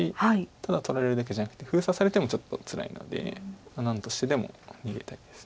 ただ取られるだけじゃなくて封鎖されてもちょっとつらいので何としてでも逃げたいです。